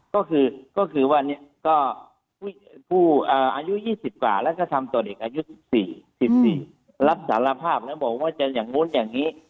ก็คือก็คือวันนี้ก็ผู้อายุ๒๐กว่าแล้วก็ทำต่อเด็กอายุ๑๔๑๔รับสารภาพแล้วบอกว่าจะอย่างนู้นอย่างนี้